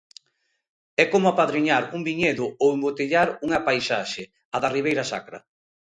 É como apadriñar un viñedo ou embotellar unha paisaxe, a da Ribeira Sacra.